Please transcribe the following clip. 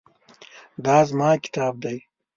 دا زما کتاب دی